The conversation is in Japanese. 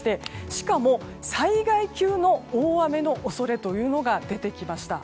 しかも、災害級の大雨の恐れが出てきました。